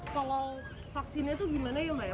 kalau vaksinnya itu gimana ya mbak ya